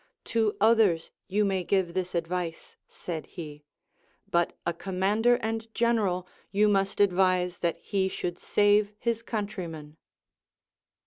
To others you may give this advice, said he ; but a commander and general you must advise that he should save his country men.